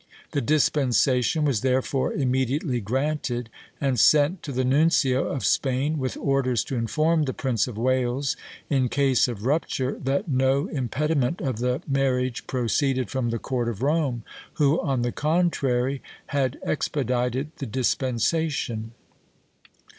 The dispensation was therefore immediately granted, and sent to the nuncio of Spain, with orders to inform the Prince of Wales, in case of rupture, that no impediment of the marriage proceeded from the court of Rome, who, on the contrary, had expedited the dispensation.